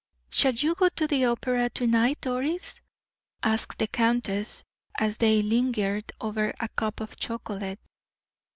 "Shall you go to the opera to night, Doris?" asked the countess, as they lingered over a cup of chocolate.